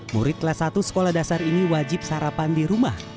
murid kelas satu sekolah dasar ini wajib sarapan di rumah